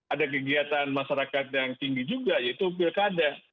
ada kegiatan masyarakat yang tinggi juga yaitu pilkada